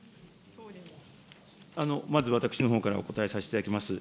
まず私のほうからお答えさせていただきます。